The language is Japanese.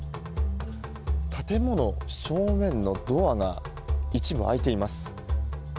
建物正面のドアが一部開いています。